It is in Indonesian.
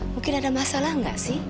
mungkin ada masalah nggak sih